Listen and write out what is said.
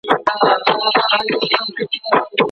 په افغانستان کي د سواد زده کړي کورسونه سته؟